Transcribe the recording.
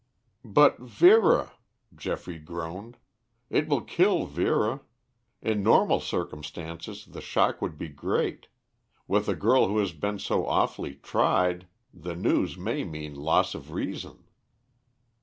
"But Vera," Geoffrey groaned. "It will kill Vera. In normal circumstances the shock would be great; with a girl who has been so awfully tried the news may mean loss of reason."